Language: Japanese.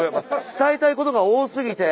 伝えたいことが多過ぎて。